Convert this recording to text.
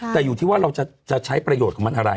แต่อยู่ที่ว่าเราจะใช้ประโยชน์ของมันอะไร